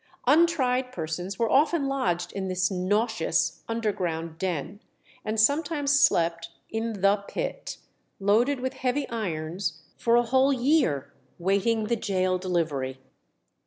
Untried persons were often lodged in this nauseous underground den, and sometimes slept in "the pit," loaded with heavy irons for a whole year, waiting the gaol delivery.